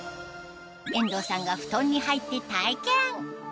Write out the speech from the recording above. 遠藤さんが布団に入って体験